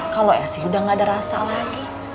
kalau esi udah gak ada rasa lagi